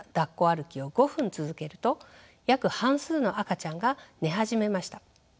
歩きを５分続けると約半数の赤ちゃんが寝始めました。